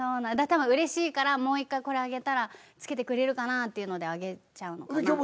多分うれしいからもう１回これあげたら着けてくれるかなっていうのであげちゃうのかな。